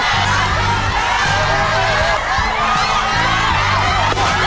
โอ้โหโอ้โหโอ้โห